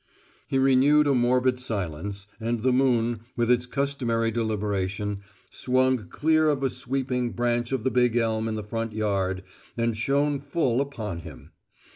He renewed a morbid silence, and the moon, with its customary deliberation, swung clear of a sweeping branch of the big elm in the front yard and shone full upon him.